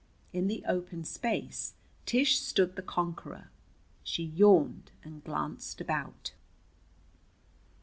In the open space Tish stood the conqueror. She yawned and glanced about.